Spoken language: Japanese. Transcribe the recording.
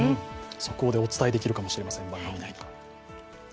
速報でお伝えできるかもしれません。